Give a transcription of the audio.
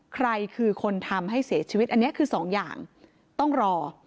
ใครคือคนทำให้เสียชีวิตอันนี้คือสองอย่างต้องรอ